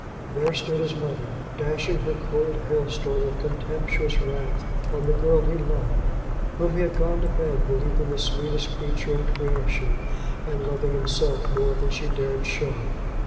There stood his mother, dashing her cold hailstorm of contemptuous wrath on the girl he loved, whom he had gone to bed believing the sweetest creature in creation, and loving himself more than she dared show!